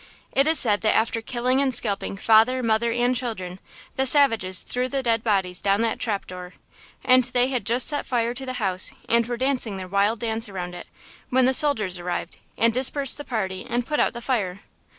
It is said that after killing and scalping father, mother and children, the savages threw the dead bodies down that trap door. And they had just set fire to the house and were dancing their wild dance around it, when the soldiers arrived and dispersed the party and put out the fire."